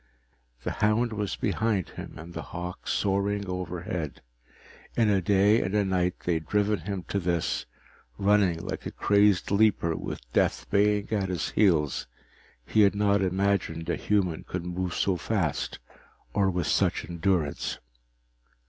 The hound was behind him and the hawk soaring overhead. In a day and a night they had driven him to this, running like a crazed leaper with death baying at his heels he had not imagined a human could move so fast or with such endurance.